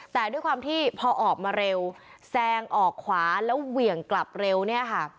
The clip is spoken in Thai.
แต่ด้วยความที่พอออกมาเร็วแซงออกขวาแล้วเหวี่ยงกลับเร็วเนี่ยค่ะ